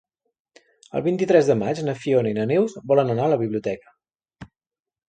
El vint-i-tres de maig na Fiona i na Neus volen anar a la biblioteca.